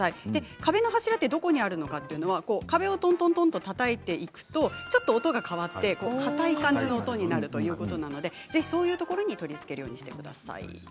壁の柱はどこにあるのかというのは壁をとんとんとたたいていくとちょっと音が変わってかたい感じの音になるということなので、そういうところに取り付けるようにしてください。